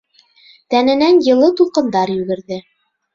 Тәненән йылы тулҡындар йүгерҙе.